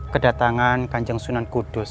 kedatangan kanjeng sunan kudus